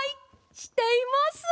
しています！